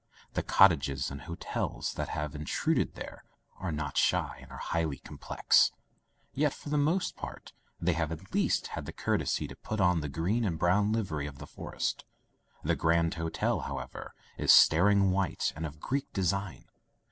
The cottages and hotels that have in truded there are not shy and are highly com plex, yet for the most part they have at least had die courtesy to put on the green and brown livery of the forest. The Grand Hotel, however, is staring white and of Greek de sign.